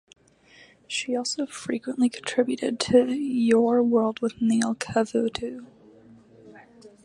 She also frequently contributed to "Your World with Neil Cavuto".